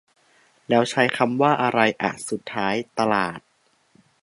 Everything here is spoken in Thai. แล้วใช้คำว่าไรอ่ะสุดท้าย "ตลาด" ?